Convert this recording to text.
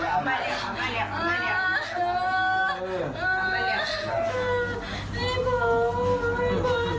เอามาเรียกเอามาเรียก